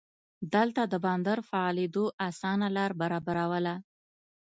دلته د بندر فعالېدو اسانه لار برابرواله.